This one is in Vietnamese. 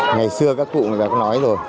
ngày xưa các cụ đã có nói rồi